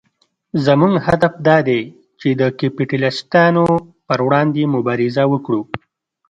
زموږ هدف دا دی چې د کپیټلېستانو پر وړاندې مبارزه وکړو.